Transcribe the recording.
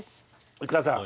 生田さん。